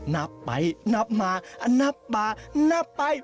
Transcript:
นับไปนับมาอันนับมานับไป